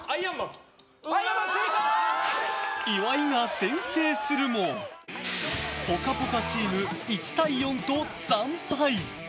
岩井が先制するも「ぽかぽか」チーム１対４と惨敗。